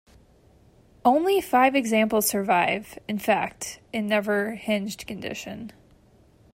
Only five examples survive, in fact, in never hinged condition.